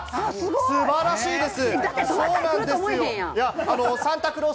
素晴らしいです！